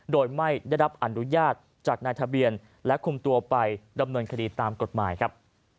โดยไม่ได้รับอนุญาตจากนายทะเบียนและคุมตัวไปดำเนินคดีตามกฎหมายครับ